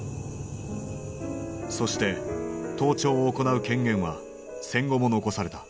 そして盗聴を行う権限は戦後も残された。